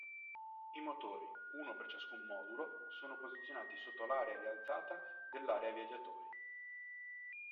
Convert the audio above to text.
I motori, uno per ciascun modulo, sono posizionati sotto l'area rialzata dell'area viaggiatori.